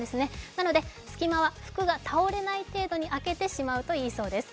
なので隙間は、服が倒れない程度に空けておくのがいいそうです。